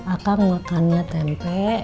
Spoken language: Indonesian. akan makannya tempe